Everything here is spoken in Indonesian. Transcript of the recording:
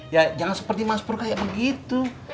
ya jangan seperti mas pur kayak begitu